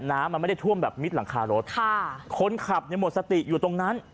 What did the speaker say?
น้ำมันไม่ได้ท่วมแบบมิดหลังคารถค่ะคนขับเนี่ยหมดสติอยู่ตรงนั้น